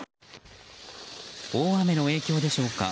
大雨の影響でしょうか。